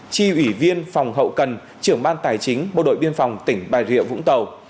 tri ủy viên phòng hậu cần trưởng ban tài chính bộ đội biên phòng tỉnh bà điều vũng tàu